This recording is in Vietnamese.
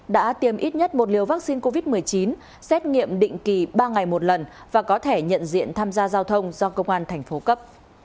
đã tiêm ít nhất một liều vaccine covid một mươi chín xét nghiệm định kỳ ba ngày một lần và có thể nhận diện tham gia giao thông do công an thành phố cấp